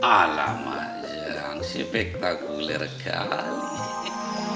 alamak jangan spektakuler kali